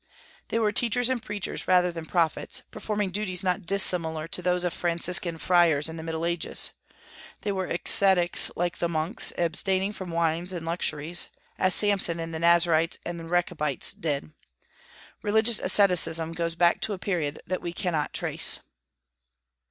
They were teachers and preachers rather than prophets, performing duties not dissimilar to those of Franciscan friars in the Middle Ages. They were ascetics like the monks, abstaining from wine and luxuries, as Samson and the Nazarites and Rechabites did. Religious asceticism goes back to a period that we cannot trace.